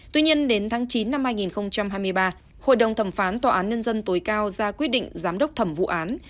tuy nhiên đến tháng chín năm hai nghìn hai mươi ba hội đồng thẩm phán tòa án nhân dân tối cao ra quyết định giám đốc thẩm vụ án